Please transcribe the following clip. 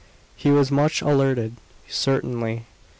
He was much altered, certainly.